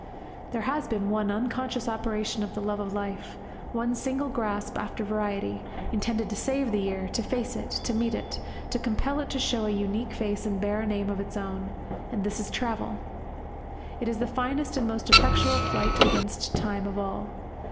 There has been one unconscious operation of the love of life, one single grasp after variety, intended to save the year, to face it, to meet it, to compel it to show a unique face and bear a name of its own; and this is travel. It is the finest and most effectual flight against time of all.